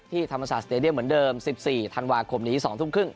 ธรรมศาสตร์สเตดียมเหมือนเดิม๑๔ธันวาคมนี้๒ทุ่มครึ่ง